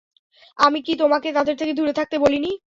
আমি কি তোমাকে তাদের থেকে দূরে থাকতে বলিনি?